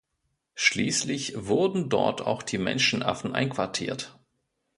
Schließlich wurden dort auch die Menschenaffen einquartiert.